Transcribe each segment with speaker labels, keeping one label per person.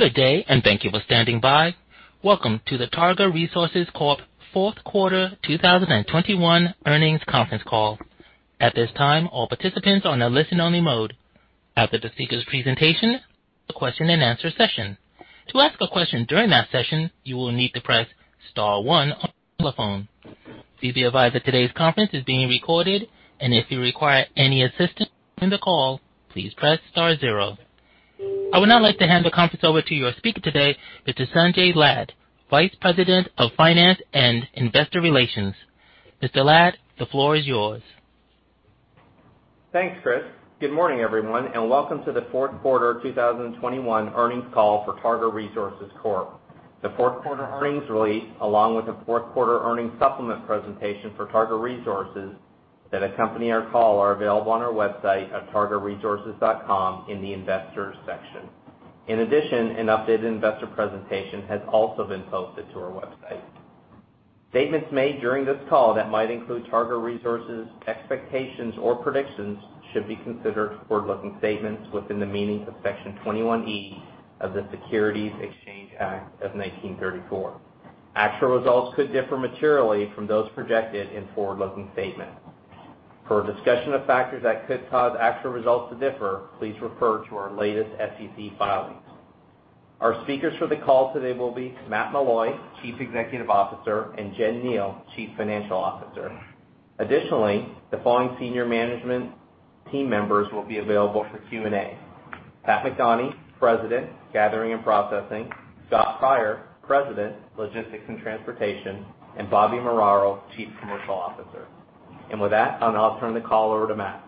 Speaker 1: Good day, and thank you for standing by. Welcome to the Targa Resources Corp. Q4 2021 earnings conference call. At this time, all participants are on a listen-only mode. After the speaker's presentation, a question and answer session. To ask a question during that session, you will need to press star one on your telephone. Please be advised that today's conference is being recorded, and if you require any assistance during the call, please press star zero. I would now like to hand the conference over to your speaker today, Mr. Sanjay Lad, Vice President of Finance and Investor Relations. Mr. Lad, the floor is yours.
Speaker 2: Thanks, Chris. Good morning, everyone, and welcome to the Q4 2021 earnings call for Targa Resources Corp. The Q4 earnings release, along with the Q4 earnings supplement presentation for Targa Resources that accompany our call are available on our website at targaresources.com in the investors section. In addition, an updated investor presentation has also been posted to our website. Statements made during this call that might include Targa Resources expectations or predictions should be considered forward-looking statements within the meanings of Section 21E of the Securities Exchange Act of 1934. Actual results could differ materially from those projected in forward-looking statements. For a discussion of factors that could cause actual results to differ, please refer to our latest SEC filings. Our speakers for the call today will be Matt Meloy, Chief Executive Officer, and Jen Kneale, Chief Financial Officer. Additionally, the following senior management team members will be available for Q&A. Pat McDonie, President, Gathering and Processing, Scott Pryor, President, Logistics and Transportation, and Bobby Muraro, Chief Commercial Officer. With that, I'll now turn the call over to Matt.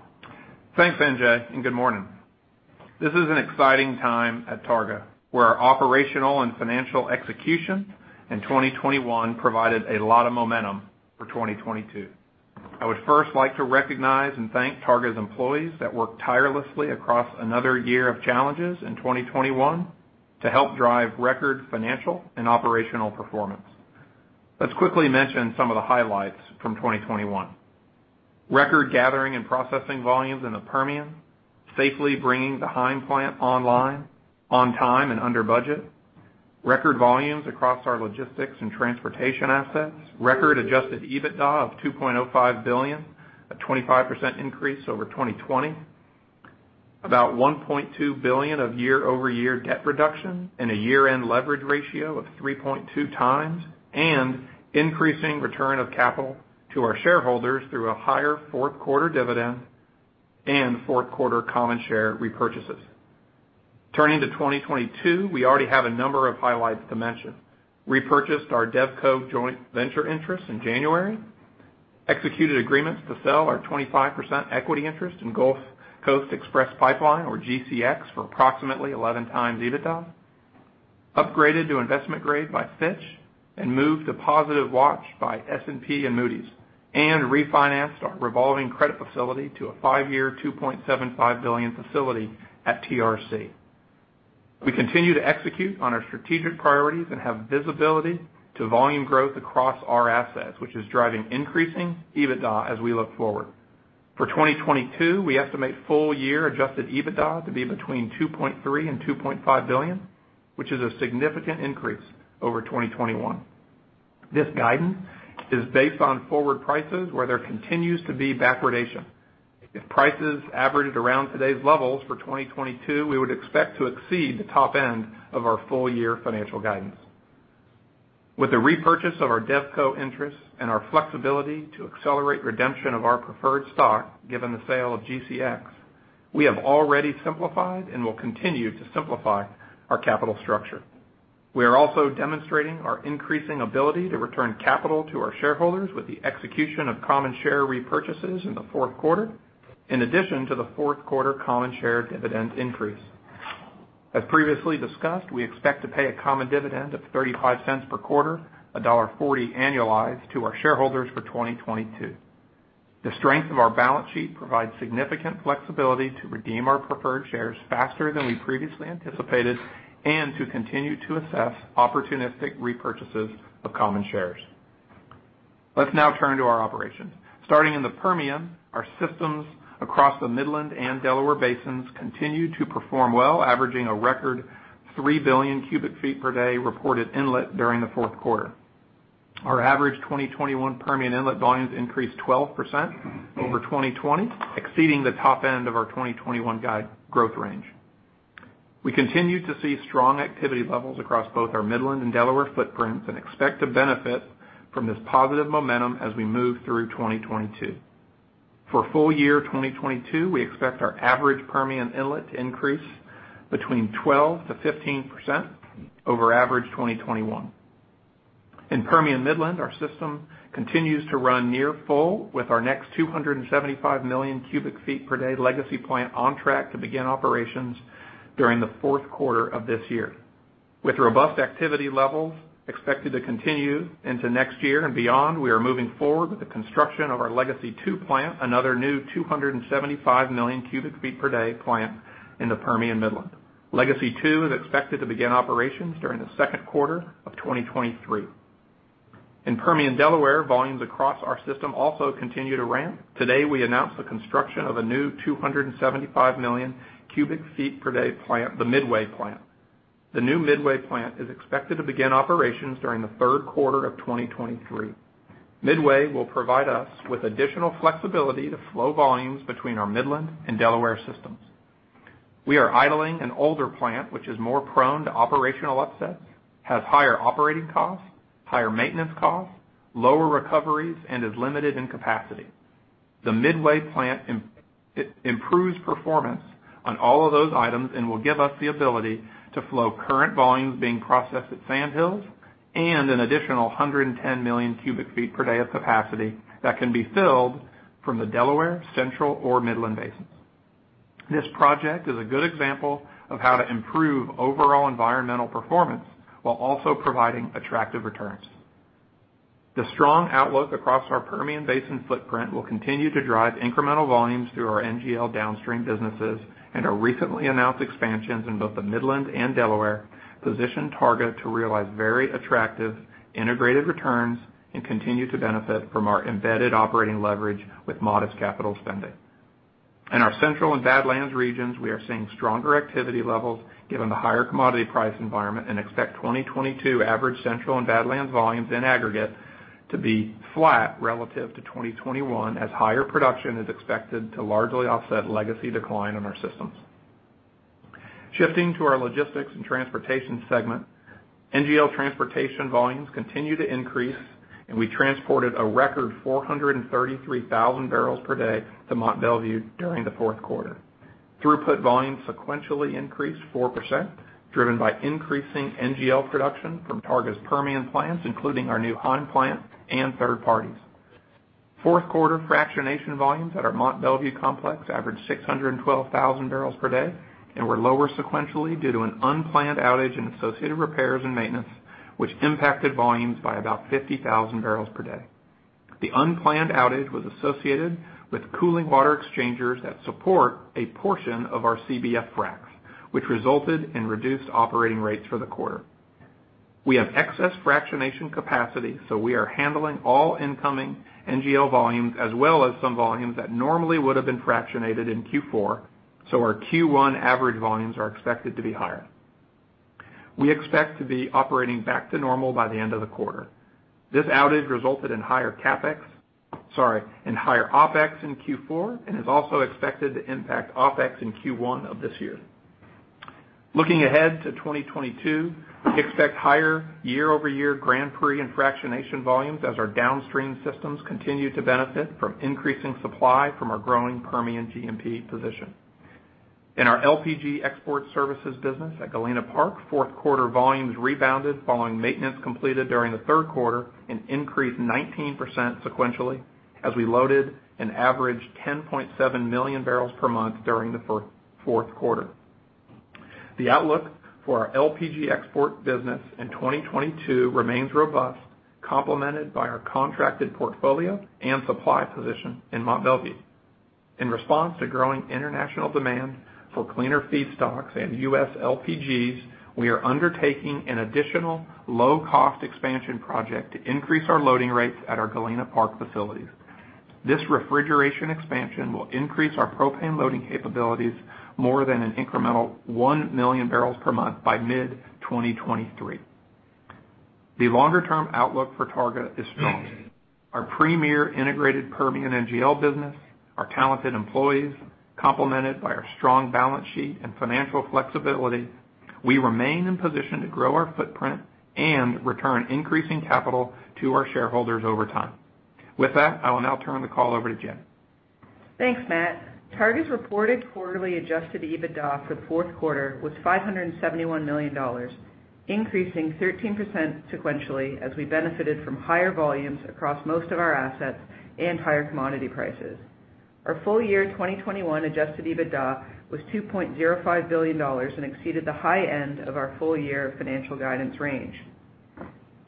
Speaker 3: Thanks, Sanjay, and good morning. This is an exciting time at Targa, where our operational and financial execution in 2021 provided a lot of momentum for 2022. I would first like to recognize and thank Targa's employees that worked tirelessly across another year of challenges in 2021 to help drive record financial and operational performance. Let's quickly mention some of the highlights from 2021. Record gathering and processing volumes in the Permian, safely bringing the Heim plant online on time and under budget, record volumes across our logistics and transportation assets, record adjusted EBITDA of $2.05 billion, a 25% increase over 2020. About $1.2 billion of year-over-year debt reduction and a year-end leverage ratio of 3.2x, and increasing return of capital to our shareholders through a higher Q4 dividend and Q4 common share repurchases. Turning to 2022, we already have a number of highlights to mention, repurchased our DevCo joint venture interest in January, executed agreements to sell our 25% equity interest in Gulf Coast Express Pipeline, or GCX, for approximately 11x EBITDA, upgraded to investment grade by Fitch and moved to positive watch by S&P and Moody's, and refinanced our revolving credit facility to a five-year $2.75 billion facility at TRC. We continue to execute on our strategic priorities and have visibility to volume growth across our assets, which is driving increasing EBITDA as we look forward. For 2022, we estimate full year adjusted EBITDA to be between $2.3 billion and $2.5 billion, which is a significant increase over 2021. This guidance is based on forward prices where there continues to be backwardation. If prices averaged around today's levels for 2022, we would expect to exceed the top end of our full year financial guidance. With the repurchase of our DevCo interest and our flexibility to accelerate redemption of our preferred stock, given the sale of GCX, we have already simplified and will continue to simplify our capital structure. We are also demonstrating our increasing ability to return capital to our shareholders with the execution of common share repurchases in the Q4, in addition to the Q4 common share dividend increase. As previously discussed, we expect to pay a common dividend of $0.35 per quarter, $1.40 annualized to our shareholders for 2022. The strength of our balance sheet provides significant flexibility to redeem our preferred shares faster than we previously anticipated and to continue to assess opportunistic repurchases of common shares. Let's now turn to our operations. Starting in the Permian, our systems across the Midland and Delaware basins continue to perform well, averaging a record 3 billion cubic feet per day reported inlet during the Q4. Our average 2021 Permian inlet volumes increased 12% over 2020, exceeding the top end of our 2021 guide growth range. We continue to see strong activity levels across both our Midland and Delaware footprints and expect to benefit from this positive momentum as we move through 2022. For full year 2022, we expect our average Permian inlet to increase between 12%-15% over average 2021. In Permian Midland, our system continues to run near full, with our next 275 million cubic feet per day Legacy plant on track to begin operations during the Q4 of this year. With robust activity levels expected to continue into next year and beyond, we are moving forward with the construction of our Legacy II plant, another new 275 million cubic feet per day plant in the Permian Midland. Legacy II is expected to begin operations during the Q2 of 2023. In Permian Delaware, volumes across our system also continue to ramp. Today, we announced the construction of a new 275 million cubic feet per day plant, the Midway plant. The new Midway plant is expected to begin operations during the Q3 of 2023. Midway will provide us with additional flexibility to flow volumes between our Midland and Delaware systems. We are idling an older plant, which is more prone to operational upsets, has higher operating costs, higher maintenance costs, lower recoveries, and is limited in capacity. The Midway plant improves performance on all of those items, and will give us the ability to flow current volumes being processed at Sand Hills and an additional 110 million cubic feet per day of capacity that can be filled from the Delaware, Central, or Midland basins. This project is a good example of how to improve overall environmental performance while also providing attractive returns. The strong outlook across our Permian Basin footprint will continue to drive incremental volumes through our NGL downstream businesses and our recently announced expansions in both the Midland and Delaware position Targa to realize very attractive integrated returns and continue to benefit from our embedded operating leverage with modest capital spending. In our Central and Badlands regions, we are seeing stronger activity levels given the higher commodity price environment and expect 2022 average Central and Badlands volumes in aggregate to be flat relative to 2021 as higher production is expected to largely offset legacy decline in our systems. Shifting to our logistics and transportation segment, NGL transportation volumes continue to increase, and we transported a record 433,000 barrels per day to Mont Belvieu during the Q4. Throughput volumes sequentially increased 4%, driven by increasing NGL production from Targa's Permian plants, including our new Heim plant and third parties. Q4 fractionation volumes at our Mont Belvieu complex averaged 612,000 barrels per day and were lower sequentially due to an unplanned outage and associated repairs and maintenance, which impacted volumes by about 50,000 barrels per day. The unplanned outage was associated with cooling water exchangers that support a portion of our CBF fracs, which resulted in reduced operating rates for the quarter. We have excess fractionation capacity, so we are handling all incoming NGL volumes as well as some volumes that normally would have been fractionated in Q4, so our Q1 average volumes are expected to be higher. We expect to be operating back to normal by the end of the quarter. This outage resulted in higher OpEx in Q4 and is also expected to impact OpEx in Q1 of this year. Looking ahead to 2022, we expect higher year-over-year Grand Prix and fractionation volumes as our downstream systems continue to benefit from increasing supply from our growing Permian GMP position. In our LPG export services business at Galena Park, Q4 volumes rebounded following maintenance completed during the Q3 and increased 19% sequentially as we loaded an average 10.7 million barrels per month during the Q4. The outlook for our LPG export business in 2022 remains robust, complemented by our contracted portfolio and supply position in Mont Belvieu. In response to growing international demand for cleaner feedstocks and U.S. LPGs, we are undertaking an additional low-cost expansion project to increase our loading rates at our Galena Park facilities. This refrigeration expansion will increase our propane loading capabilities more than an incremental one million barrels per month by mid-2023. The longer-term outlook for Targa is strong. Our premier integrated Permian NGL business, our talented employees, complemented by our strong balance sheet and financial flexibility, we remain in position to grow our footprint and return increasing capital to our shareholders over time. With that, I will now turn the call over to Jen.
Speaker 4: Thanks, Matt. Targa's reported quarterly adjusted EBITDA for Q4 was $571 million, increasing 13% sequentially as we benefited from higher volumes across most of our assets and higher commodity prices. Our full year 2021 adjusted EBITDA was $2.05 billion and exceeded the high end of our full year financial guidance range.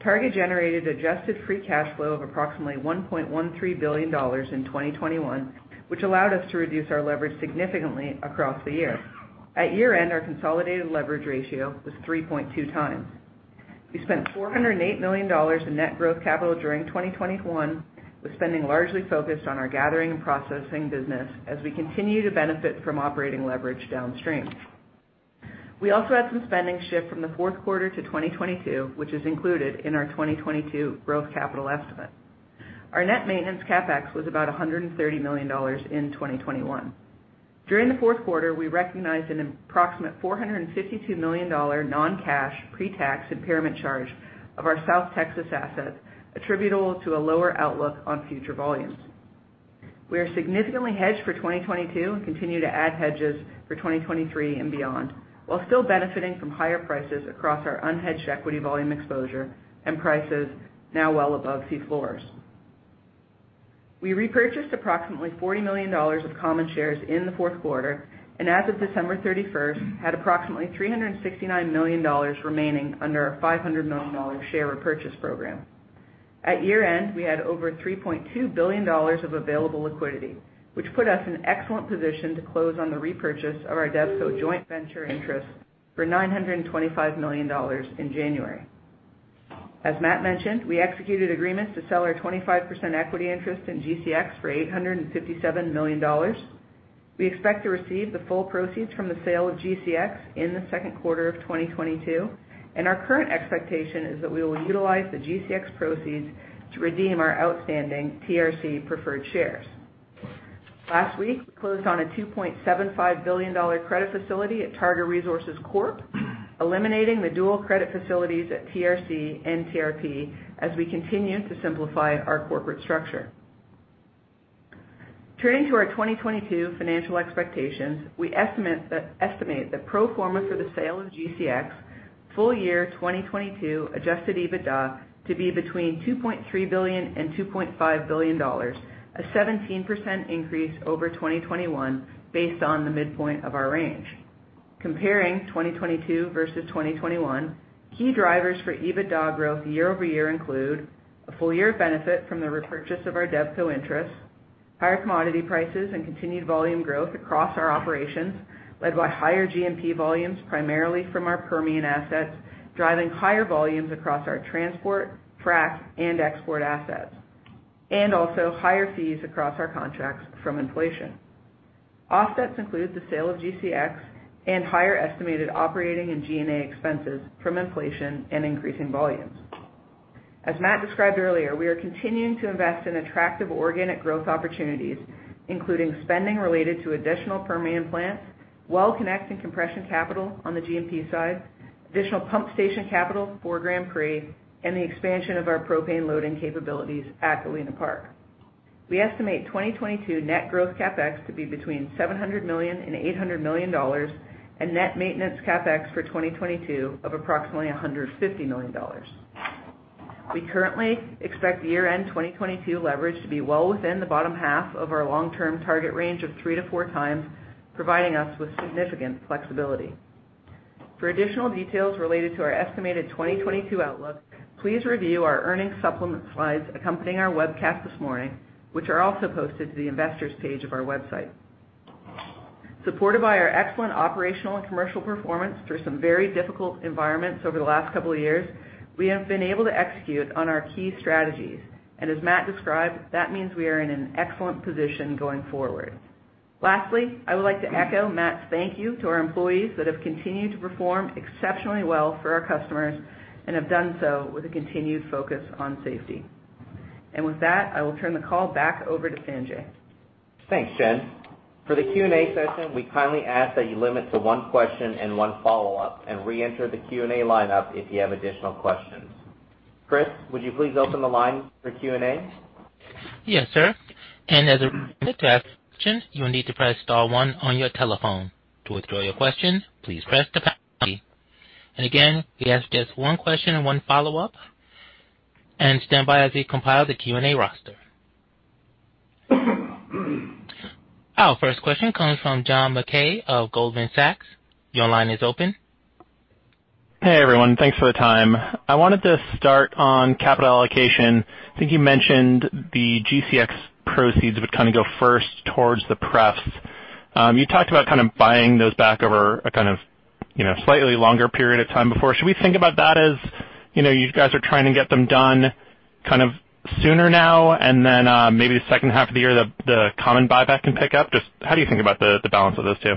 Speaker 4: Targa generated adjusted free cash flow of approximately $1.13 billion in 2021, which allowed us to reduce our leverage significantly across the year. At year-end, our consolidated leverage ratio was 3.2x. We spent $408 million in net growth capital during 2021, with spending largely focused on our gathering and processing business as we continue to benefit from operating leverage downstream. We also had some spending shift from the Q4 to 2022, which is included in our 2022 growth capital estimate. Our net maintenance CapEx was about $130 million in 2021. During the Q4, we recognized an approximate $452 million non-cash pre-tax impairment charge of our South Texas assets attributable to a lower outlook on future volumes. We are significantly hedged for 2022 and continue to add hedges for 2023 and beyond, while still benefiting from higher prices across our unhedged equity volume exposure and prices now well above C floors. We repurchased approximately $40 million of common shares in the Q4 and as of December 31st, had approximately $369 million remaining under our $500 million share repurchase program. At year-end, we had over $3.2 billion of available liquidity, which put us in excellent position to close on the repurchase of our DevCo joint venture interest for $925 million in January. As Matt mentioned, we executed agreements to sell our 25% equity interest in GCX for $857 million. We expect to receive the full proceeds from the sale of GCX in the Q2 of 2022, and our current expectation is that we will utilize the GCX proceeds to redeem our outstanding TRC preferred shares. Last week, we closed on a $2.75 billion credit facility at Targa Resources Corp, eliminating the dual credit facilities at TRC and TRP as we continue to simplify our corporate structure. Turning to our 2022 financial expectations, we estimate pro forma for the sale of GCX full year 2022 adjusted EBITDA to be between $2.3 billion and $2.5 billion, a 17% increase over 2021 based on the midpoint of our range. Comparing 2022 versus 2021, key drivers for EBITDA growth year-over-year include a full year benefit from the repurchase of our DevCo interest, higher commodity prices, and continued volume growth across our operations, led by higher GMP volumes primarily from our Permian assets, driving higher volumes across our transport, frac, and export assets, and also higher fees across our contracts from inflation. Offsets include the sale of GCX and higher estimated operating and G&A expenses from inflation and increasing volumes. As Matt described earlier, we are continuing to invest in attractive organic growth opportunities, including spending related to additional Permian plants, well connect and compression capital on the GMP side, additional pump station capital for Grand Prix, and the expansion of our propane loading capabilities at Galena Park. We estimate 2022 net growth CapEx to be between $700 million and $800 million and net maintenance CapEx for 2022 of approximately $150 million. We currently expect year-end 2022 leverage to be well within the bottom half of our long-term target range of 3-4x, providing us with significant flexibility. For additional details related to our estimated 2022 outlook, please review our earnings supplement slides accompanying our webcast this morning, which are also posted to the investors page of our website. Supported by our excellent operational and commercial performance through some very difficult environments over the last couple of years, we have been able to execute on our key strategies. As Matt described, that means we are in an excellent position going forward. Lastly, I would like to echo Matt's thank you to our employees that have continued to perform exceptionally well for our customers and have done so with a continued focus on safety. With that, I will turn the call back over to Sanjay.
Speaker 2: Thanks, Jen. For the Q&A session, we kindly ask that you limit to one question and one follow-up and reenter the Q&A lineup if you have additional questions. Chris, would you please open the line for Q&A?
Speaker 1: Yes, sir. As a reminder to ask questions, you will need to press star one on your telephone. To withdraw your question, please press the pound key. Again, we ask just one question and one follow-up, and stand by as we compile the Q&A roster. Our first question comes from John Mackay of Goldman Sachs. Your line is open.
Speaker 5: Hey, everyone. Thanks for the time. I wanted to start on capital allocation. I think you mentioned the GCX proceeds would kind of go first towards the pref. You talked about kind of buying those back over a kind of, you know, slightly longer period of time before. Should we think about that as, you know, you guys are trying to get them done kind of sooner now and then, maybe the H2 of the year, the common buyback can pick up? Just how do you think about the balance of those two?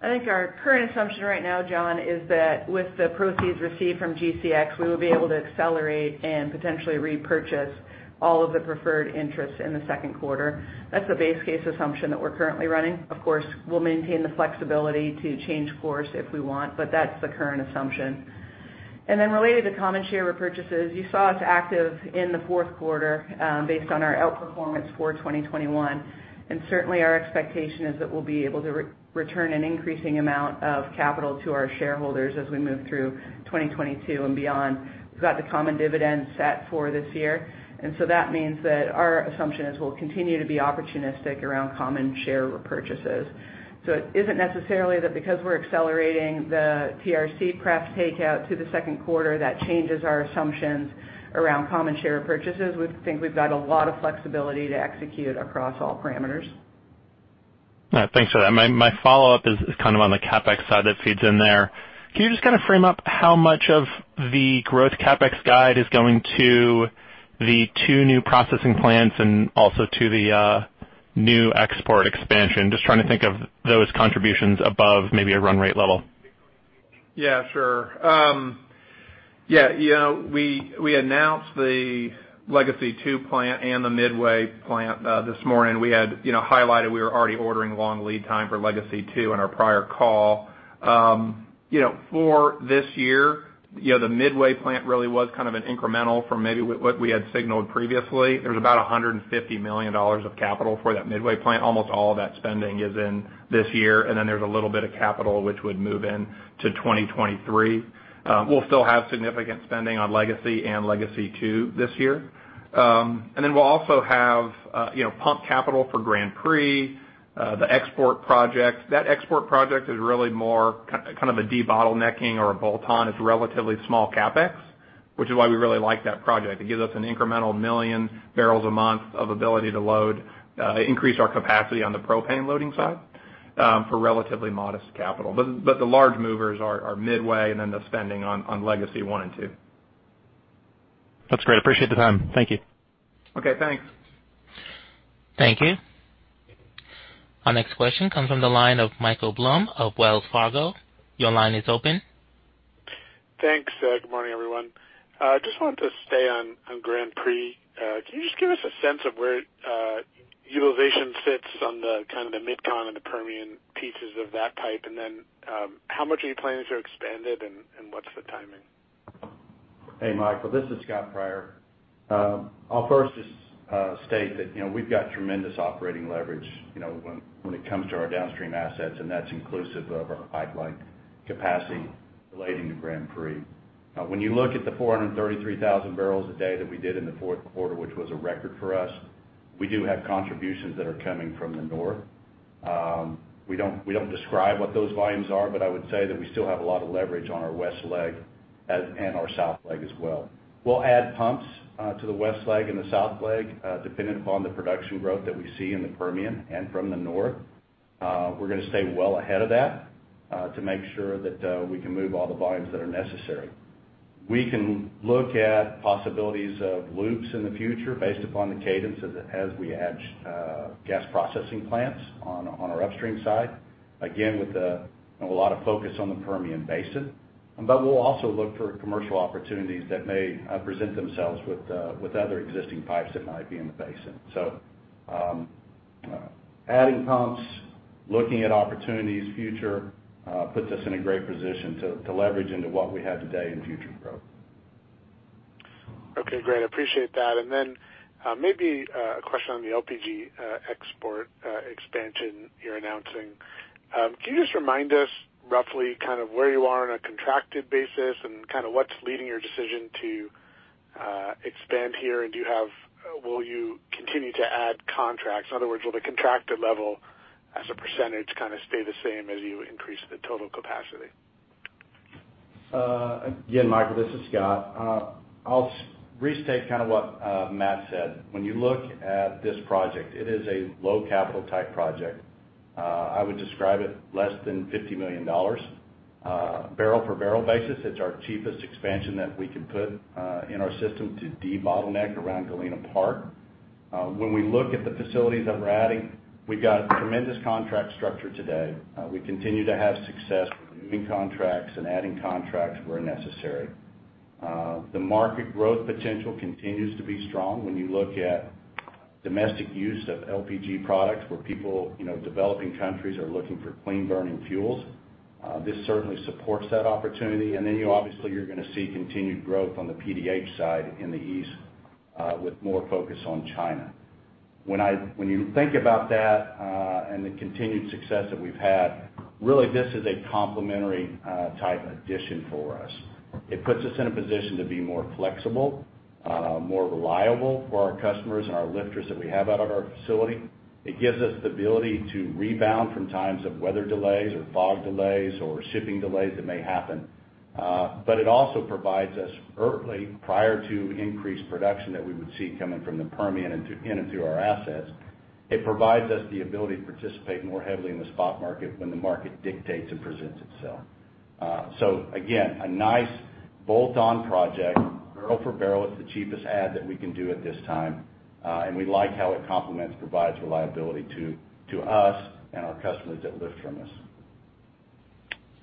Speaker 4: I think our current assumption right now, John, is that with the proceeds received from GCX, we will be able to accelerate and potentially repurchase all of the preferred interests in the Q2. That's the base case assumption that we're currently running. Of course, we'll maintain the flexibility to change course if we want, but that's the current assumption. Then related to common share repurchases, you saw us active in the Q4, based on our outperformance for 2021. Certainly, our expectation is that we'll be able to re-return an increasing amount of capital to our shareholders as we move through 2022 and beyond. We've got the common dividend set for this year. That means that our assumption is we'll continue to be opportunistic around common share repurchases. It isn't necessarily that because we're accelerating the TRC pref takeout to the Q2 that changes our assumptions around common share purchases. We think we've got a lot of flexibility to execute across all parameters.
Speaker 5: Thanks for that. My follow-up is kind of on the CapEx side that feeds in there. Can you just kind of frame up how much of the growth CapEx guide is going to the two new processing plants and also to the new export expansion? Just trying to think of those contributions above maybe a run rate level.
Speaker 3: Yeah, sure. Yeah, you know, we announced the Legacy II plant and the Midway plant this morning. We had, you know, highlighted we were already ordering long lead time for Legacy II on our prior call. You know, for this year, you know, the Midway plant really was kind of an incremental from maybe what we had signaled previously. There was about $150 million of capital for that Midway plant. Almost all of that spending is in this year, and then there's a little bit of capital which would move into 2023. We'll still have significant spending on Legacy and Legacy II this year. Then we'll also have, you know, some capital for Grand Prix, the export project. That export project is really more kind of a debottlenecking or a bolt-on. It's a relatively small CapEx. Which is why we really like that project. It gives us an incremental one million barrels a month of ability to load, increase our capacity on the propane loading side, for relatively modest capital. The large movers are Midway and then the spending on Legacy one and two.
Speaker 6: That's great. Appreciate the time. Thank you.
Speaker 3: Okay, thanks.
Speaker 1: Thank you. Our next question comes from the line of Michael Blum of Wells Fargo. Your line is open.
Speaker 6: Thanks. Good morning, everyone. Just wanted to stay on Grand Prix. Can you just give us a sense of where utilization sits on the kind of the MidCon and the Permian pieces of that pipe? How much are you planning to expand it, and what's the timing?
Speaker 7: Hey, Michael, this is Scott Pryor. I'll first just state that, you know, we've got tremendous operating leverage, you know, when it comes to our downstream assets, and that's inclusive of our pipeline capacity relating to Grand Prix. When you look at the 433,000 barrels a day that we did in the Q4, which was a record for us, we do have contributions that are coming from the north. We don't describe what those volumes are, but I would say that we still have a lot of leverage on our west leg and our south leg as well. We'll add pumps to the west leg and the south leg dependent upon the production growth that we see in the Permian and from the north. We're gonna stay well ahead of that to make sure that we can move all the volumes that are necessary. We can look at possibilities of loops in the future based upon the cadence as we add gas processing plants on our upstream side, again, with a lot of focus on the Permian Basin. We'll also look for commercial opportunities that may present themselves with other existing pipes that might be in the basin. Adding pumps, looking at future opportunities puts us in a great position to leverage into what we have today in future growth.
Speaker 6: Okay, great. Appreciate that. Maybe a question on the LPG export expansion you're announcing. Can you just remind us roughly kind of where you are on a contracted basis and kind of what's leading your decision to expand here? Will you continue to add contracts? In other words, will the contracted level as a percentage kind of stay the same as you increase the total capacity?
Speaker 7: Again, Michael, this is Scott. I'll restate kind of what Matt said. When you look at this project, it is a low capital type project. I would describe it less than $50 million. Barrel-for-barrel basis, it's our cheapest expansion that we can put in our system to debottleneck around Galena Park. When we look at the facilities that we're adding, we've got tremendous contract structure today. We continue to have success with renewing contracts and adding contracts where necessary. The market growth potential continues to be strong when you look at domestic use of LPG products, where people, you know, developing countries are looking for clean burning fuels. This certainly supports that opportunity. You obviously you're gonna see continued growth on the PDH side in the east, with more focus on China. When you think about that, and the continued success that we've had, really this is a complementary type addition for us. It puts us in a position to be more flexible, more reliable for our customers and our lifters that we have out at our facility. It gives us the ability to rebound from times of weather delays or fog delays or shipping delays that may happen. But it also provides us early, prior to increased production that we would see coming from the Permian in and through our assets. It provides us the ability to participate more heavily in the spot market when the market dictates and presents itself. Again, a nice bolt-on project. Barrel for barrel, it's the cheapest add that we can do at this time. We like how it complements, provides reliability to us and our customers that lift from us.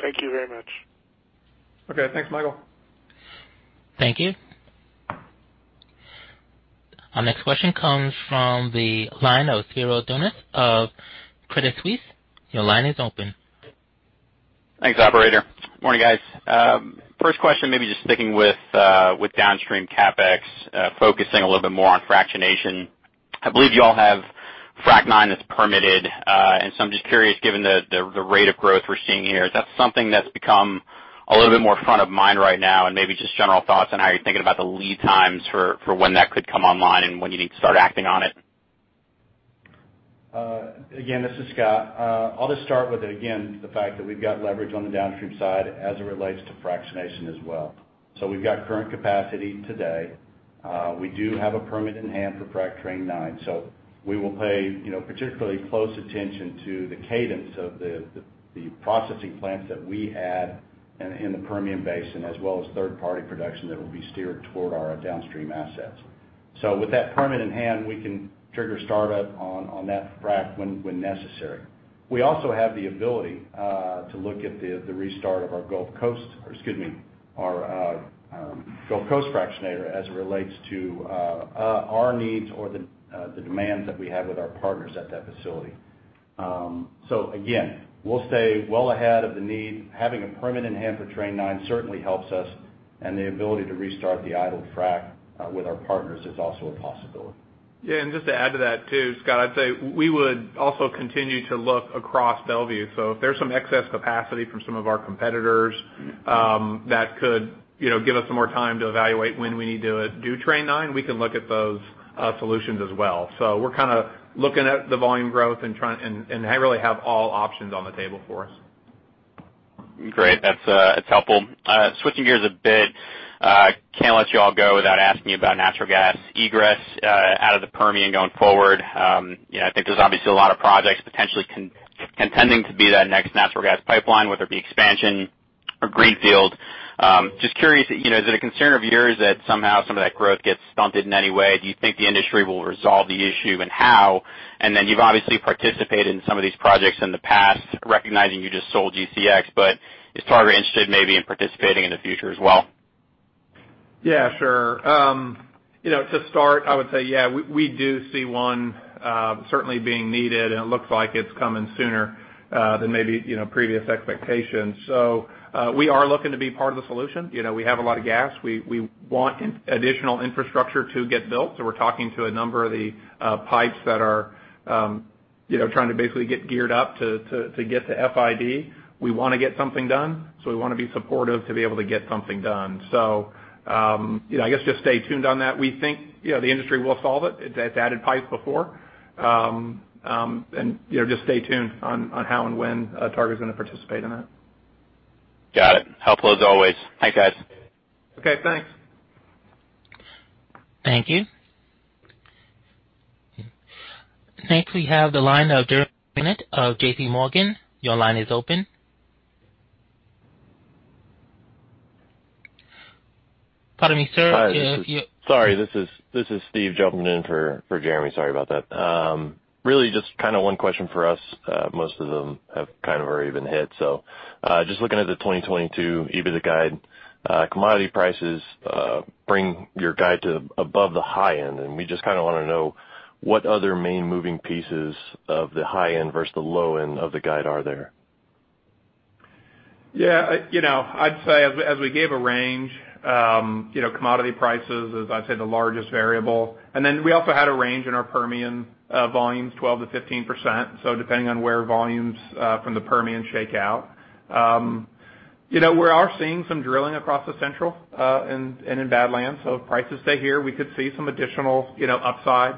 Speaker 6: Thank you very much.
Speaker 3: Okay. Thanks, Michael.
Speaker 1: Thank you. Our next question comes from the line of Spiro Dounis of Credit Suisse. Your line is open.
Speaker 8: Thanks, operator. Morning, guys. First question, maybe just sticking with downstream CapEx, focusing a little bit more on fractionation. I believe you all have Frac Nine that's permitted. I'm just curious, given the rate of growth we're seeing here, is that something that's become a little bit more front of mind right now? Maybe just general thoughts on how you're thinking about the lead times for when that could come online and when you need to start acting on it.
Speaker 7: This is Scott. I'll just start with the fact that we've got leverage on the downstream side as it relates to fractionation as well. We've got current capacity today. We do have a permit in hand for frac train nine. We will pay, you know, particularly close attention to the cadence of the processing plants that we add in the Permian Basin, as well as third-party production that will be steered toward our downstream assets. With that permit in hand, we can trigger startup on that frac when necessary. We also have the ability to look at the restart of our Gulf Coast fractionator as it relates to our needs or the demands that we have with our partners at that facility. Again, we'll stay well ahead of the need. Having a permit in hand for train nine certainly helps us, and the ability to restart the idled frac with our partners is also a possibility.
Speaker 3: Yeah, just to add to that too, Scott, I'd say we would also continue to look across Mont Belvieu. If there's some excess capacity from some of our competitors, that could give us some more time to evaluate when we need to do train nine, we can look at those solutions as well. We're kinda looking at the volume growth and trying and really have all options on the table for us.
Speaker 8: Great. That's helpful. Switching gears a bit, can't let you all go without asking about natural gas egress out of the Permian going forward. You know, I think there's obviously a lot of projects potentially contending to be that next natural gas pipeline, whether it be expansion or greenfield. Just curious, you know, is it a concern of yours that somehow some of that growth gets stunted in any way? Do you think the industry will resolve the issue, and how? You've obviously participated in some of these projects in the past, recognizing you just sold GCX, but is Targa interested maybe in participating in the future as well?
Speaker 3: Yeah, sure. You know, to start, I would say, yeah, we do see one certainly being needed, and it looks like it's coming sooner than maybe, you know, previous expectations. We are looking to be part of the solution. You know, we have a lot of gas. We want additional infrastructure to get built, so we're talking to a number of the pipes that are, you know, trying to basically get geared up to get to FID. We wanna get something done, so we wanna be supportive to be able to get something done. You know, I guess just stay tuned on that. We think, you know, the industry will solve it. It's added pipes before. You know, just stay tuned on how and when Targa is gonna participate in that.
Speaker 8: Got it. Helpful as always. Thanks, guys.
Speaker 3: Okay, thanks.
Speaker 1: Thank you. Next, we have the line of Jeremy Tonet of JPMorgan. Your line is open. Pardon me, sir. If you-
Speaker 9: Hi, this is Steve jumping in for Jeremy. Sorry about that. Really just kinda one question for us, most of them have kind of already been hit. Just looking at the 2022 EBITDA guide, commodity prices bring your guide to above the high end, and we just kinda wanna know what other main moving pieces of the high end versus the low end of the guide are there.
Speaker 3: Yeah. You know, I'd say as we gave a range, you know, commodity prices is I'd say the largest variable. Then we also had a range in our Permian volumes, 12%-15%, so depending on where volumes from the Permian shake out. You know, we are seeing some drilling across the Central and in Badlands. If prices stay here, we could see some additional, you know, upside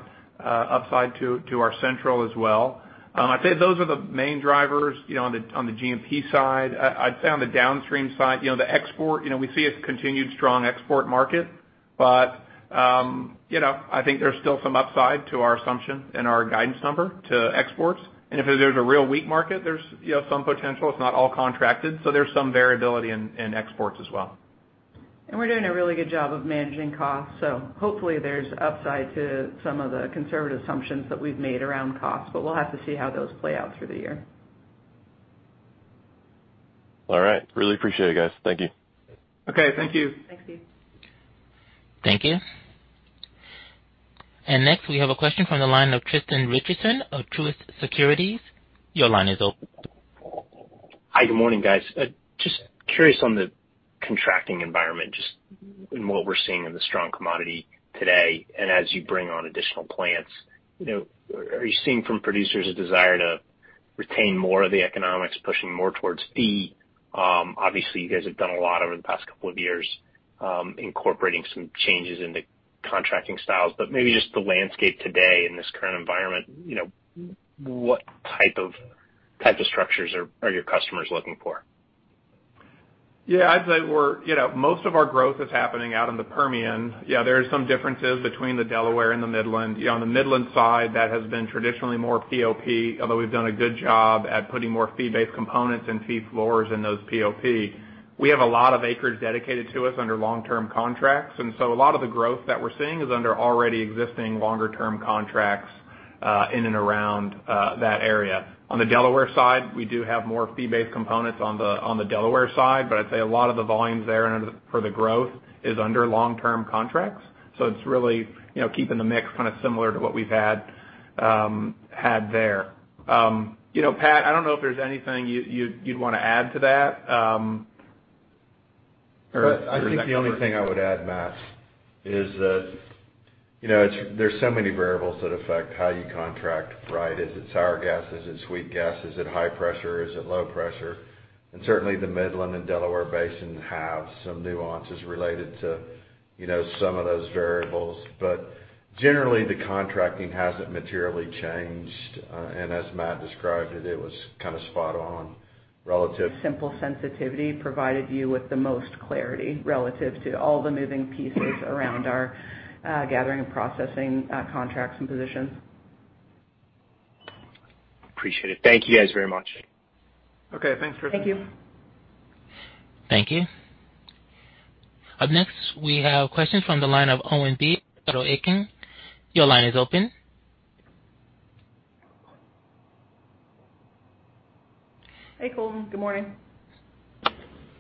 Speaker 3: to our Central as well. I'd say those are the main drivers, you know, on the GMP side. I'd say on the downstream side, you know, the export, you know, we see a continued strong export market. You know, I think there's still some upside to our assumption and our guidance number to exports. If there's a real weak market, there's, you know, some potential. It's not all contracted, so there's some variability in exports as well.
Speaker 4: We're doing a really good job of managing costs. Hopefully there's upside to some of the conservative assumptions that we've made around costs, but we'll have to see how those play out through the year.
Speaker 9: All right. Really appreciate it, guys. Thank you.
Speaker 3: Okay, thank you.
Speaker 4: Thanks, Steve.
Speaker 1: Thank you. Next, we have a question from the line of Tristan Richardson of Truist Securities. Your line is open.
Speaker 10: Hi, good morning, guys. Just curious on the contracting environment, just in what we're seeing in the strong commodity today and as you bring on additional plants. You know, are you seeing from producers a desire to retain more of the economics, pushing more towards fee? Obviously, you guys have done a lot over the past couple of years, incorporating some changes in the contracting styles. Maybe just the landscape today in this current environment, you know, what type of structures are your customers looking for?
Speaker 3: Yeah. I'd say, you know, most of our growth is happening out in the Permian. Yeah, there are some differences between the Delaware and the Midland. You know, on the Midland side, that has been traditionally more POP, although we've done a good job at putting more fee-based components and fee floors in those POP. We have a lot of acreage dedicated to us under long-term contracts, and so a lot of the growth that we're seeing is under already existing longer-term contracts in and around that area. On the Delaware side, we do have more fee-based components on the Delaware side, but I'd say a lot of the volumes there and for the growth is under long-term contracts. It's really, you know, keeping the mix kind of similar to what we've had there. You know, Pat, I don't know if there's anything you'd wanna add to that.
Speaker 8: I think the only thing I would add, Matt, is that, you know, it's, there's so many variables that affect how you contract, right? Is it sour gas? Is it sweet gas? Is it high pressure? Is it low pressure? Certainly, the Midland Basin and Delaware Basin have some nuances related to, you know, some of those variables. Generally, the contracting hasn't materially changed. As Matt described it was kind of spot on relative-
Speaker 4: Simple sensitivity provided you with the most clarity relative to all the moving pieces around our gathering and processing contracts and positions.
Speaker 10: Appreciate it. Thank you guys very much.
Speaker 3: Okay, thanks, Tristan.
Speaker 4: Thank you.
Speaker 1: Thank you. Up next, we have questions from the line of Colton Bean of Tudor, Pickering, Holt & Co.. Your line is open.
Speaker 4: Hey, Colton. Good morning.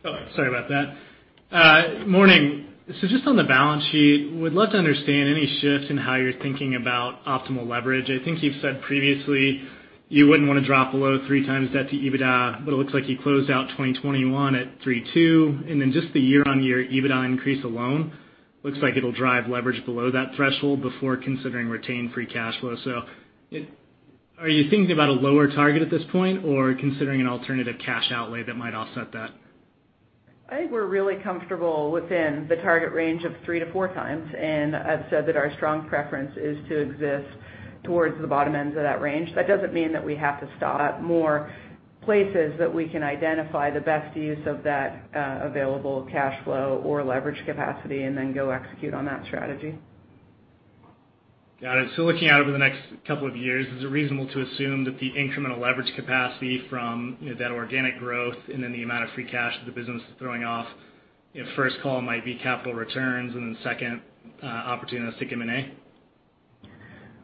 Speaker 11: Oh, sorry about that. Morning. Just on the balance sheet, would love to understand any shifts in how you're thinking about optimal leverage. I think you've said previously you wouldn't wanna drop below 3x debt to EBITDA, but it looks like you closed out 2021 at 3.2. Then just the year-on-year EBITDA increase alone looks like it'll drive leverage below that threshold before considering retained free cash flow. Are you thinking about a lower target at this point, or considering an alternative cash outlay that might offset that?
Speaker 4: I think we're really comfortable within the target range of 3-4x, and I've said that our strong preference is to sit towards the bottom end of that range. That doesn't mean that we have to stop before we can identify the best use of that available cash flow or leverage capacity and then go execute on that strategy.
Speaker 11: Got it. Looking out over the next couple of years, is it reasonable to assume that the incremental leverage capacity from, you know, that organic growth and then the amount of free cash that the business is throwing off, if first call might be capital returns and then second, opportunities to M&A?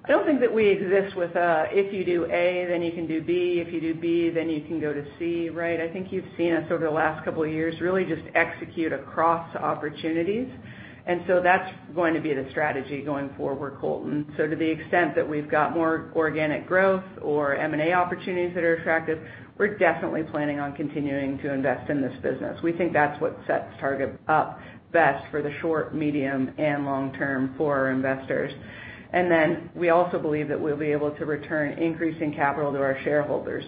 Speaker 4: I don't think that we exist with if you do A, then you can do B. If you do B, then you can go to C, right? I think you've seen us over the last couple of years really just execute across opportunities. That's going to be the strategy going forward, Colton. To the extent that we've got more organic growth or M&A opportunities that are attractive, we're definitely planning on continuing to invest in this business. We think that's what sets Targa up best for the short, medium, and long term for our investors. We also believe that we'll be able to return increasing capital to our shareholders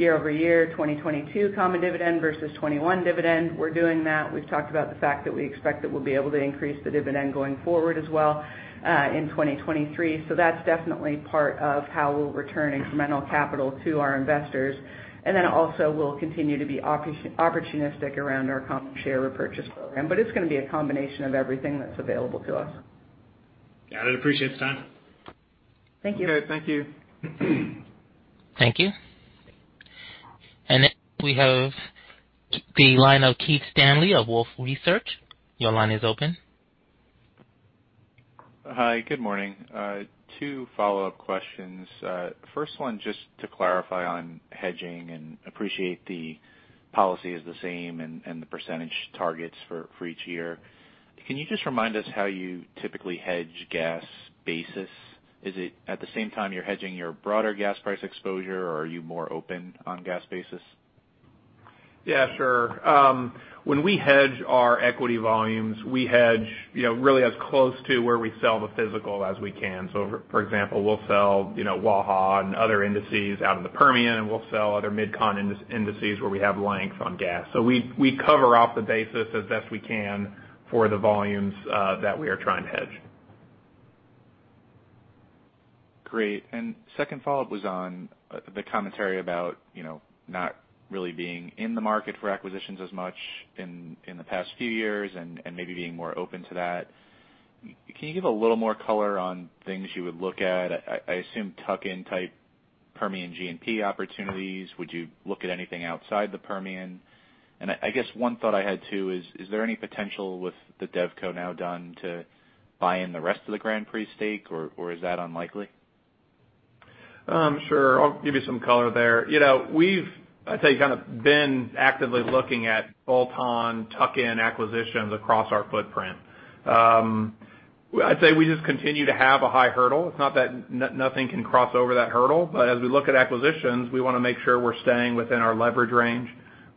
Speaker 4: year-over-year, 2022 common dividend versus 2021 dividend. We're doing that. We've talked about the fact that we expect that we'll be able to increase the dividend going forward as well in 2023. That's definitely part of how we'll return incremental capital to our investors. We'll continue to be opportunistic around our common share repurchase program. It's gonna be a combination of everything that's available to us.
Speaker 11: Got it. Appreciate the time.
Speaker 4: Thank you.
Speaker 3: Okay. Thank you.
Speaker 1: Thank you. Next we have the line of Keith Stanley of Wolfe Research. Your line is open.
Speaker 12: Hi. Good morning. Two follow-up questions. First one, just to clarify on hedging and appreciate the policy is the same and the percentage targets for each year. Can you just remind us how you typically hedge gas basis? Is it at the same time you're hedging your broader gas price exposure, or are you more open on gas basis?
Speaker 3: Yeah, sure. When we hedge our equity volumes, we hedge really as close to where we sell the physical as we can. For example, we'll sell Waha and other indices out of the Permian, and we'll sell other MidCon indices where we have length on gas. We cover out the basis as best we can for the volumes that we are trying to hedge.
Speaker 12: Great. Second follow-up was on the commentary about, you know, not really being in the market for acquisitions as much in the past few years and maybe being more open to that. Can you give a little more color on things you would look at? I assume tuck-in type Permian NGL opportunities. Would you look at anything outside the Permian? I guess one thought I had too is there any potential with the DevCo now done to buy in the rest of the Grand Prix stake, or is that unlikely?
Speaker 3: Sure. I'll give you some color there. You know, we've, I'd say, kind of been actively looking at bolt-on, tuck-in acquisitions across our footprint. I'd say we just continue to have a high hurdle. It's not that nothing can cross over that hurdle, but as we look at acquisitions, we wanna make sure we're staying within our leverage range.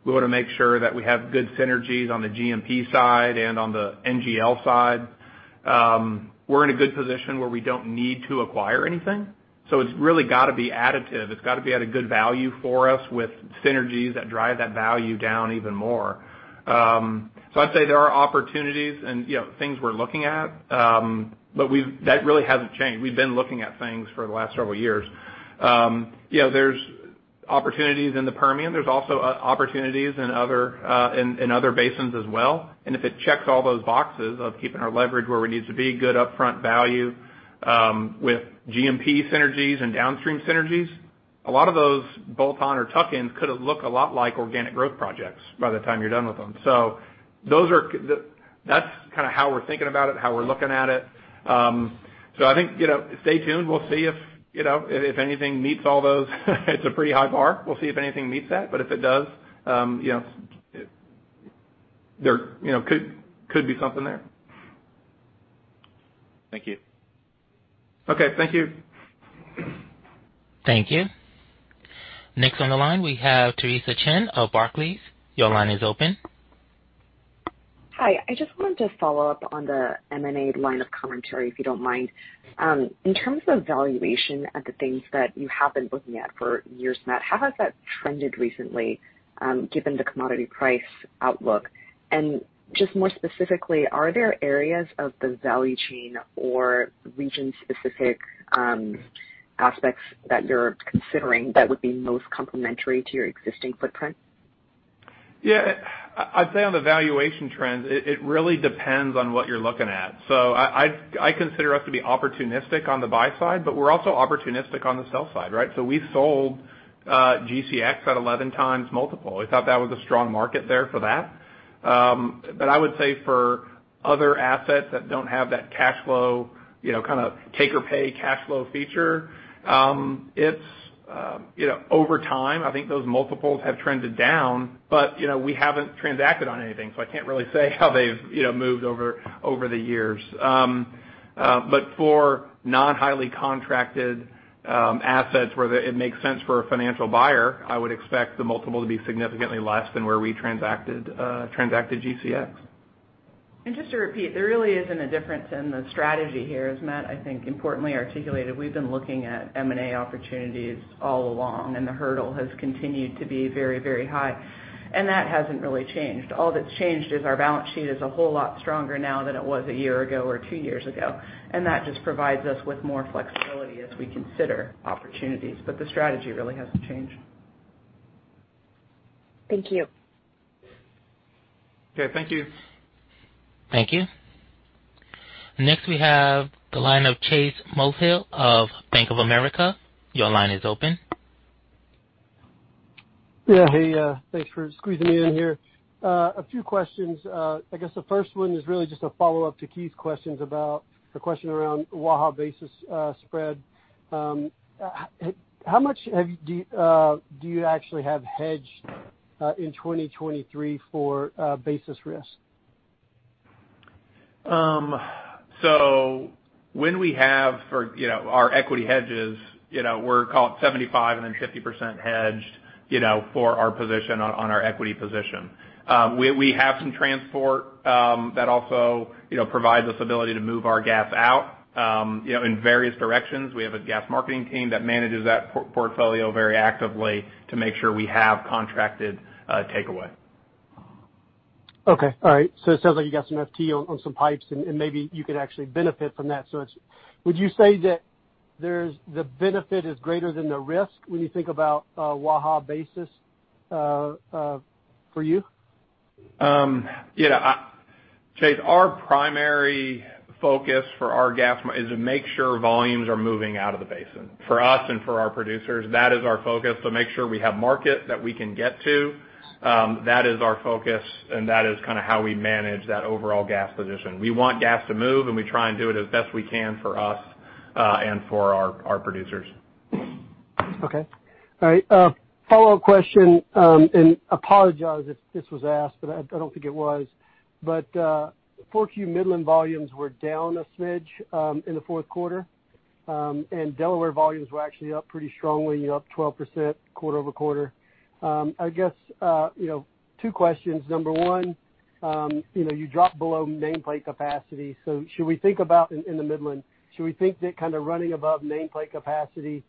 Speaker 3: We wanna make sure that we have good synergies on the GMP side and on the NGL side. We're in a good position where we don't need to acquire anything, so it's really gotta be additive. It's gotta be at a good value for us with synergies that drive that value down even more. So I'd say there are opportunities and, you know, things we're looking at, but that really hasn't changed. We've been looking at things for the last several years. You know, there's opportunities in the Permian. There's also opportunities in other basins as well. If it checks all those boxes of keeping our leverage where it needs to be, good upfront value, with GMP synergies and downstream synergies, a lot of those bolt-on or tuck-ins could look a lot like organic growth projects by the time you're done with them. That's kinda how we're thinking about it, how we're looking at it. I think, you know, stay tuned. We'll see if, you know, if anything meets all those. It's a pretty high bar. We'll see if anything meets that. If it does, you know, there you know could be something there.
Speaker 12: Thank you.
Speaker 3: Okay. Thank you.
Speaker 1: Thank you. Next on the line, we have Theresa Chen of Barclays. Your line is open.
Speaker 13: Hi. I just wanted to follow up on the M&A line of commentary, if you don't mind. In terms of valuation of the things that you have been looking at for years now, how has that trended recently, given the commodity price outlook? Just more specifically, are there areas of the value chain or region-specific aspects that you're considering that would be most complementary to your existing footprint?
Speaker 3: Yeah. I'd say on the valuation trends, it really depends on what you're looking at. I consider us to be opportunistic on the buy side, but we're also opportunistic on the sell side, right? We sold GCX at 11x multiple. We thought that was a strong market there for that. I would say for other assets that don't have that cash flow, you know, kinda take or pay cash flow feature, it's you know over time, I think those multiples have trended down, but you know we haven't transacted on anything, so I can't really say how they've you know moved over the years. For non-highly contracted assets where it makes sense for a financial buyer, I would expect the multiple to be significantly less than where we transacted GCX.
Speaker 4: Just to repeat, there really isn't a difference in the strategy here. As Matt, I think, importantly articulated, we've been looking at M&A opportunities all along, and the hurdle has continued to be very, very high. That hasn't really changed. All that's changed is our balance sheet is a whole lot stronger now than it was a year ago or two years ago, and that just provides us with more flexibility as we consider opportunities. The strategy really hasn't changed.
Speaker 13: Thank you.
Speaker 2: Okay, thank you.
Speaker 1: Thank you. Next, we have the line of Chase Mulvehill of Bank of America. Your line is open.
Speaker 14: Yeah, hey, thanks for squeezing me in here. A few questions. I guess the first one is really just a follow-up to Keith's questions about the question around Waha basis spread. How much do you actually have hedged in 2023 for basis risk?
Speaker 3: When we have our equity hedges, you know, we call it 75 and then 50% hedged, you know, for our position on our equity position. We have some transport that also, you know, provides us ability to move our gas out, you know, in various directions. We have a gas marketing team that manages that portfolio very actively to make sure we have contracted takeaway.
Speaker 14: Okay. All right. It sounds like you got some FT on some pipes and maybe you could actually benefit from that. Would you say that the benefit is greater than the risk when you think about Waha basis for you?
Speaker 3: Yeah. Chase, our primary focus for our gas is to make sure volumes are moving out of the basin. For us and for our producers, that is our focus, to make sure we have market that we can get to. That is our focus, and that is kinda how we manage that overall gas position. We want gas to move, and we try and do it as best we can for us, and for our producers.
Speaker 14: Okay. All right. Follow-up question, and apologize if this was asked, but I don't think it was. 4Q Midland volumes were down a smidge in the Q4. Delaware volumes were actually up pretty strongly, up 12% quarter-over-quarter. I guess, you know, two questions. Number one, you know, you dropped below nameplate capacity, so should we think about in the Midland should we think that kinda running above nameplate capacity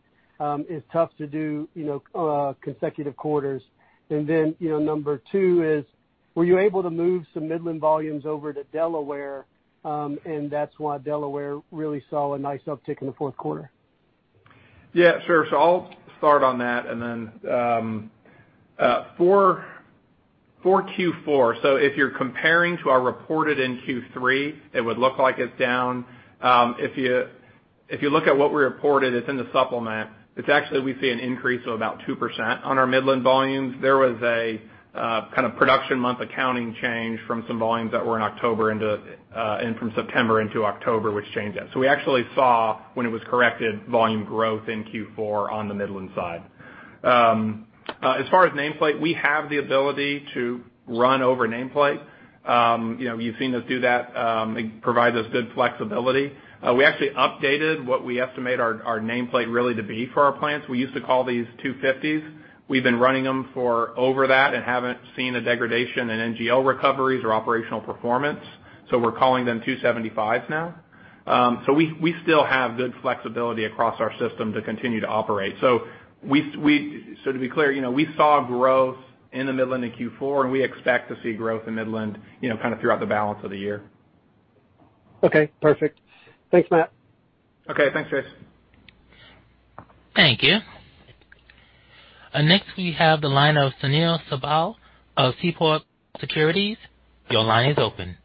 Speaker 14: is tough to do, you know, consecutive quarters? You know, number two is, were you able to move some Midland volumes over to Delaware, and that's why Delaware really saw a nice uptick in the Q4?
Speaker 3: Yeah, sure. I'll start on that. Then for Q4, if you're comparing to our reported in Q3, it would look like it's down. If you look at what we reported, it's in the supplement. It's actually we see an increase of about 2% on our Midland volumes. There was a kind of production month accounting change from some volumes that were from September into October, which changed that. We actually saw, when it was corrected, volume growth in Q4 on the Midland side. As far as nameplate, we have the ability to run over nameplate. You know, you've seen us do that. It provides us good flexibility. We actually updated what we estimate our nameplate really to be for our plants. We used to call these 250s. We've been running them for over that and haven't seen a degradation in NGL recoveries or operational performance, so we're calling them 275s now. We still have good flexibility across our system to continue to operate. To be clear, you know, we saw growth in the Midland in Q4, and we expect to see growth in Midland, you know, kind of throughout the balance of the year.
Speaker 14: Okay, perfect. Thanks, Matt.
Speaker 3: Okay, thanks, Chase.
Speaker 1: Thank you. Next we have the line of Sunil Sibal of Seaport Global Securities. Your line is open.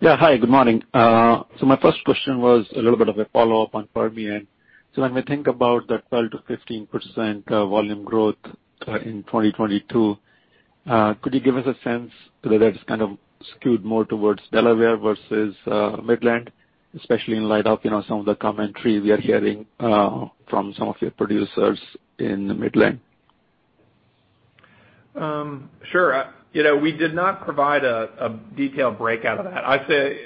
Speaker 15: Yeah, hi. Good morning. My first question was a little bit of a follow-up on Permian. When we think about that 12%-15% volume growth in 2022, could you give us a sense whether that's kind of skewed more towards Delaware versus Midland, especially in light of, you know, some of the commentary we are hearing from some of your producers in the Midland?
Speaker 3: Sure. You know, we did not provide a detailed breakout of that. I'd say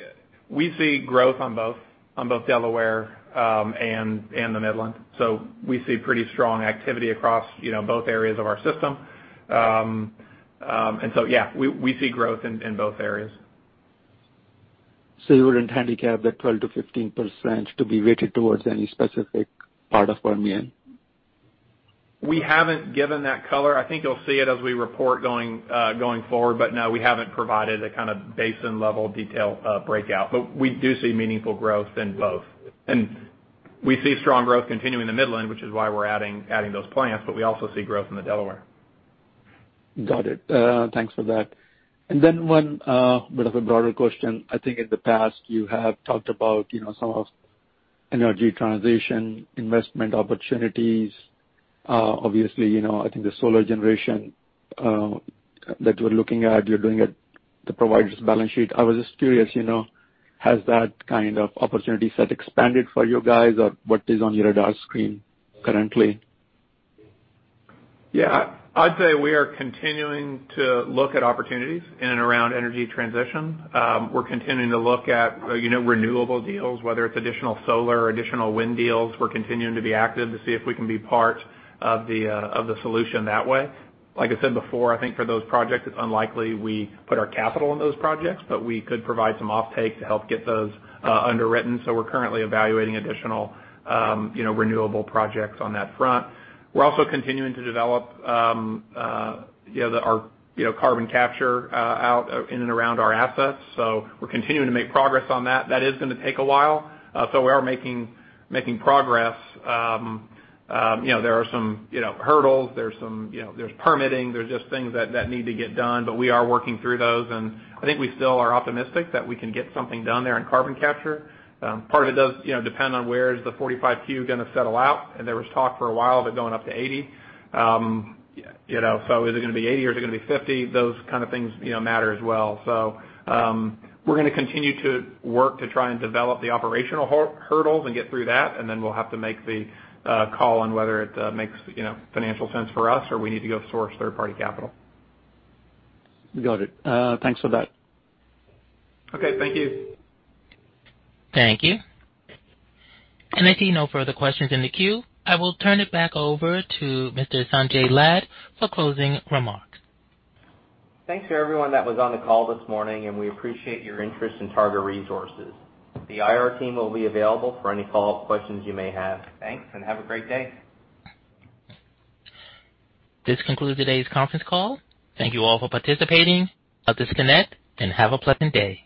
Speaker 3: we see growth on both Delaware and the Midland. We see pretty strong activity across, you know, both areas of our system. Yeah, we see growth in both areas.
Speaker 15: You wouldn't handicap the 12%-15% to be weighted towards any specific part of Permian?
Speaker 3: We haven't given that color. I think you'll see it as we report going forward, but no, we haven't provided a kind of basin-level detail, breakout. We do see meaningful growth in both. We see strong growth continuing in the Midland, which is why we're adding those plants, but we also see growth in the Delaware.
Speaker 15: Got it. Thanks for that. One bit of a broader question. I think in the past you have talked about, you know, some of energy transition investment opportunities. Obviously, you know, I think the solar generation that you're looking at, you're doing it to provide this balance sheet. I was just curious, you know, has that kind of opportunity set expanded for you guys? Or what is on your radar screen currently?
Speaker 3: Yeah. I'd say we are continuing to look at opportunities in and around energy transition. We're continuing to look at, you know, renewable deals, whether it's additional solar or additional wind deals. We're continuing to be active to see if we can be part of the solution that way. Like I said before, I think for those projects, it's unlikely we put our capital in those projects, but we could provide some offtake to help get those underwritten. We're currently evaluating additional, you know, renewable projects on that front. We're also continuing to develop our, you know, carbon capture out in and around our assets. We're continuing to make progress on that. That is gonna take a while, so we are making progress. You know, there are some, you know, hurdles. There's some, you know, there's permitting. There's just things that need to get done, but we are working through those, and I think we still are optimistic that we can get something done there on carbon capture. Part of it does, you know, depend on where is the 45Q gonna settle out, and there was talk for a while of it going up to 80. You know, so is it gonna be 80 or is it gonna be 50? Those kind of things, you know, matter as well. We're gonna continue to work to try and develop the operational hurdles and get through that, and then we'll have to make the call on whether it makes, you know, financial sense for us or we need to go source third-party capital.
Speaker 15: Got it. Thanks for that.
Speaker 3: Okay, thank you.
Speaker 1: Thank you. I see no further questions in the queue. I will turn it back over to Mr. Sanjay Lad for closing remarks.
Speaker 2: Thanks to everyone that was on the call this morning, and we appreciate your interest in Targa Resources. The IR team will be available for any follow-up questions you may have. Thanks, and have a great day.
Speaker 1: This concludes today's conference call. Thank you all for participating. Now disconnect and have a pleasant day.